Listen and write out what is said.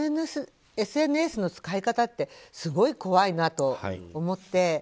ＳＮＳの使い方ってすごい怖いなと思って。